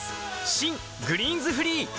新「グリーンズフリー」